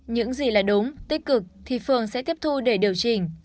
những gì là đúng tích cực thì phường sẽ tiếp thu để điều chỉnh